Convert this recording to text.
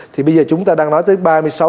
thì bây giờ chúng ta đang nói tới